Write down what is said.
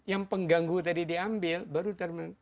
yang pengganggu tadi diambil baru termen